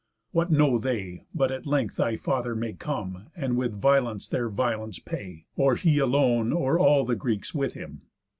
What know they, but at length thy father may Come, and with violence their violence pay; Or he alone, or all the Greeks with him?